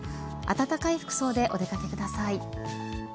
暖かい服装でお出かけください。